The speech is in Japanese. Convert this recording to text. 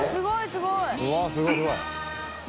すごい！